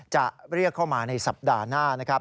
จะเรียกเข้ามาในสัปดาห์หน้านะครับ